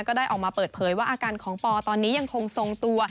ก็ได้ออกมาเปิดเผยว่าอาการของปอตอนนี้ยังคงทรงตัว